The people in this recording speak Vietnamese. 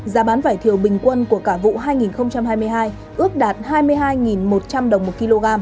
giá bán vải thiều bình quân của cả vụ hai nghìn hai mươi hai ước đạt hai mươi hai một trăm linh đồng một kg